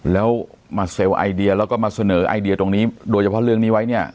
แล้วมาเซลล์ไอเดียแล้วก็มาเสนอไอเดียตรงนี้โดยเฉพาะเรื่องนี้ไว้เนี่ย